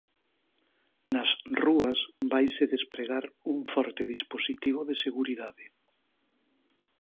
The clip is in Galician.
Nas rúas vaise despregar un forte dispositivo de seguridade.